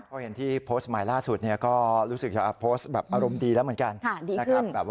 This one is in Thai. พอเห็นที่โพสต์ใหม่ล่าสุดก็รู้สึกอารมณ์ดีแล้วเหมือนกัน